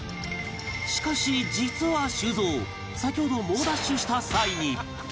しかし実は修造先ほど猛ダッシュした際に